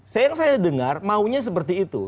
yang saya dengar maunya seperti itu